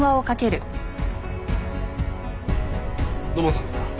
土門さんですか？